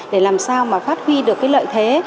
để làm sao mà phát huy được cái lợi thế